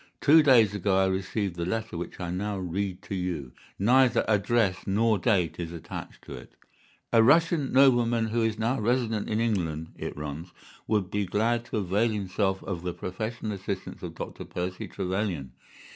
Two days ago I received the letter which I now read to you. Neither address nor date is attached to it. "'A Russian nobleman who is now resident in England,' it runs, 'would be glad to avail himself of the professional assistance of Dr. Percy Trevelyan.